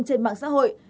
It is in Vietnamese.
trên mạng xã hội